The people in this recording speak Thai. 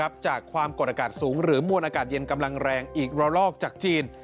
จากความกดอากาศสูงหรือมวลอากาศเย็นกำลังแรงอีกระลอกจากจีน